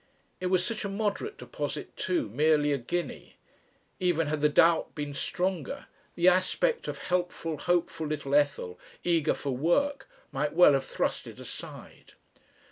It was such a moderate deposit too merely a guinea. Even had the doubt been stronger, the aspect of helpful hopeful little Ethel eager for work might well have thrust it aside.